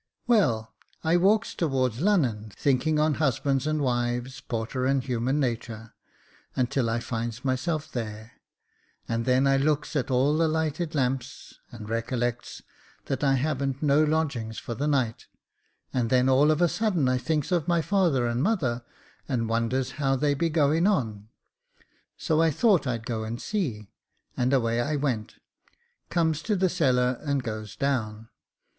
] Well, I walks towards Lunnen, thinking on husbands and wives, porter and human natur, until I finds myself there, and then I looks at all the lighted lamps, and recollects that I haven't no lodging for the night, and then all of a sudden I thinks of my father and mother, and wonders how they be going on. So I thought I'd go and see, and away I went ; comes to the cellar, and goes down.